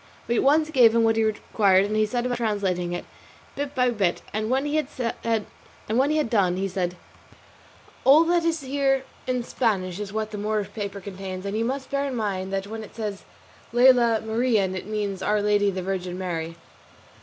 We at once gave him what he required, and he set about translating it bit by bit, and when he had done he said: "All that is here in Spanish is what the Moorish paper contains, and you must bear in mind that when it says 'Lela Marien' it means 'Our Lady the Virgin Mary.